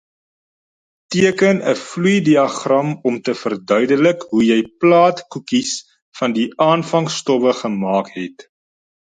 Teken 'n vloeidiagram om te verduidelik hoe jy plaatkoekies van die aanvangstowwe gemaak het.